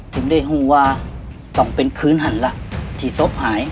ถึงได้รู้ว่าต้องเป็นคืนหันล่ะที่ศพหาย